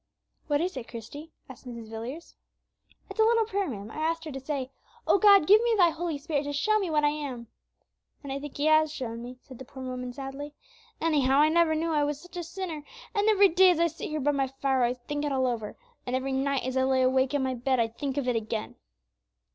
"What is it, Christie?" said Mrs. Villiers. "It's a little prayer, ma'am, I asked her to say: 'O God, give me Thy Holy Spirit, to show me what I am.'" "And I think He has shown me," said the poor woman, sadly; "anyhow, I never knew I was such a sinner; and every day as I sit here by my fire I think it all over, and every night as I lie awake on my bed I think of it again."